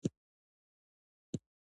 مور مې وویل چې ډوډۍ په مېز ایښودل شوې ده.